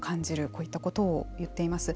こういったことを言っています。